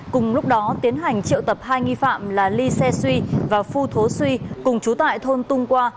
cùng lúc đó tiến hành triệu tập hai nghi phạm là ly xe suy và phu thố suy cùng chú tại thôn tung qua